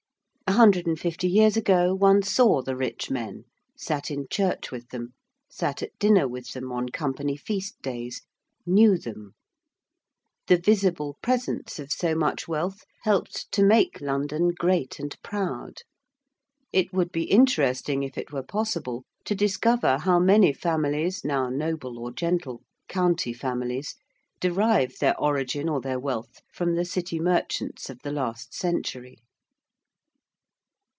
A hundred and fifty years ago, one saw the rich men: sat in church with them: sat at dinner with them on Company feast days: knew them. The visible presence of so much wealth helped to make London great and proud. It would be interesting, if it were possible, to discover how many families now noble or gentle county families derive their origin or their wealth from the City merchants of the last century.